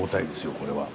これは。